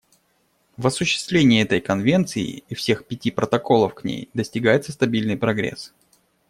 В осуществлении этой Конвенции и всех пяти протоколов к ней достигается стабильный прогресс.